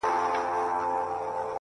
مثبت چلند د سختۍ تریخوالی کموي!